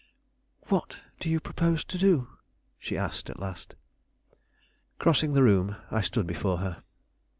"What do you propose to do?" she asked, at last. Crossing the room, I stood before her.